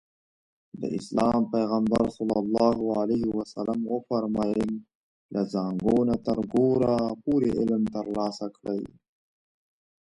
د اسلام پيغمبر ص وفرمايل له زانګو نه تر ګوره پورې علم ترلاسه کړئ.